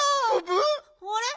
あれ？